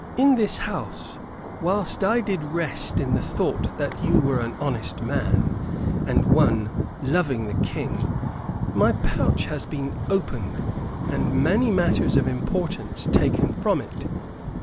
In this house, whilst I did rest in the thought that you were an honest man and one loving the King, my pouch has been opened and many matters of importance taken from it.